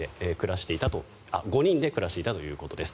５人で暮らしていたということです。